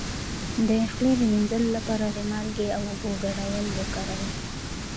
د خولې د مینځلو لپاره د مالګې او اوبو ګډول وکاروئ